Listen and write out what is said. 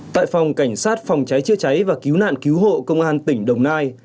tại phòng cảnh sát phòng cháy chữa cháy và cứu nạn cứu hộ công an tỉnh đồng nai